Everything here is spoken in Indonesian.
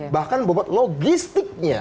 bahkan bobot logistiknya